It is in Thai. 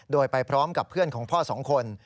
โดยไปพร้อมกับเพื่อนของพ่อ๒คน